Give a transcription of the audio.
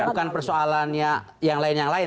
bukan persoalannya yang lain yang lain